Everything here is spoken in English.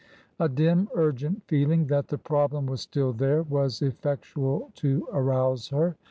A dim urgent feeling that the problem TRANSITION. 301 was still there was effectual to arouse her.